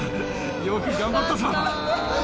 よく頑張ったぞ。